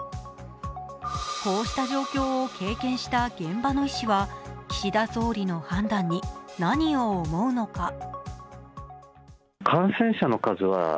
こうした状況を経験した現場の医師は岸田総理の判断に何を思うのか。